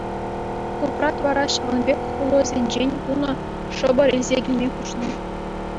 Купрат вара ҫавӑн пек хулӑсенчен тунӑ шӑпӑр илсе килме хушнӑ.